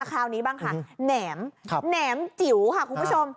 คราวนี้บ้างค่ะแหนมแหนมจิ๋วค่ะคุณผู้ชม